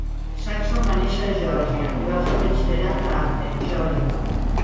Saxon va néixer a Geòrgia i va fer el batxillerat a Athens, Geòrgia.